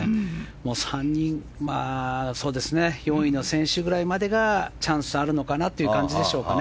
３人４位の選手ぐらいまでがチャンスがあるのかなという感じでしょうか。